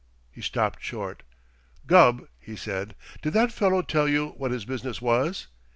He stopped short. "Gubb," he said, "did that fellow tell you what his business was?"